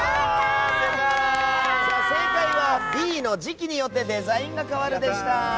正解は、Ｂの時期によってデザインが変わるでした。